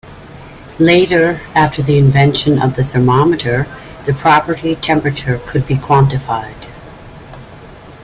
Later, after the invention of the thermometer, the property temperature could be quantified.